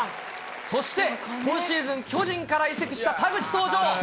そして今シーズン、巨人から移籍した田口登場。